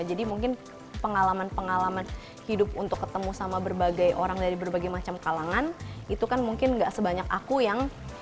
mungkin pengalaman pengalaman hidup untuk ketemu sama berbagai orang dari berbagai macam kalangan itu kan mungkin gak sebanyak aku yang